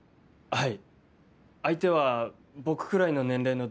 はい。